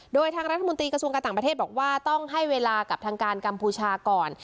โดยทางรัฐมนตรีกระทรวงการต่างประเทศบอกว่าต้องให้เวลากับทางการกัมพูชาก่อน